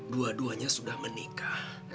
dua duanya sudah menikah